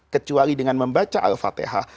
kecuali dengan membaca al fatihah